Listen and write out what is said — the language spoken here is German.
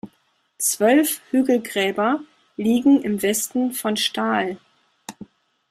Zwölf Hügelgräber liegen im Westen von Stahl.